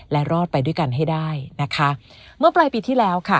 และรอดไปด้วยกันให้ได้นะคะเมื่อปลายปีที่แล้วค่ะ